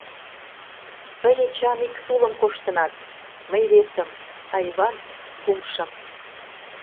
Тый, Эчан, ик тулым коштынат, мый — весым, а Иван — кумшым.